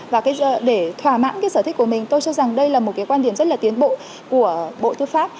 và để thỏa mãn cái sở thích của mình tôi cho rằng đây là một cái quan điểm rất là tiến bộ của bộ tư pháp